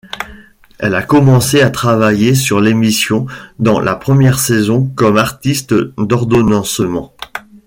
Elle a commencé à travailler sur l'émission dans la première saison comme artiste d'ordonnancement.